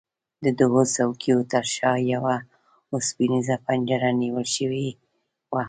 د دوو څوکیو ترشا یوه اوسپنیزه پنجره نیول شوې وه.